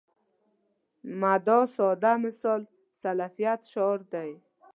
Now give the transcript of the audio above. مدعا ساده مثال سلفیت شعار دی.